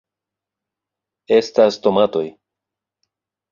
... estas tomatoj